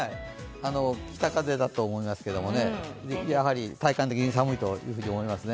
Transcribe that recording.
北風だと思いますけど、やはり体感的に寒いと思いますね。